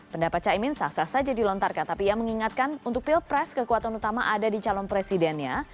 pendapat caimin sah sah saja dilontarkan tapi ia mengingatkan untuk pilpres kekuatan utama ada di calon presidennya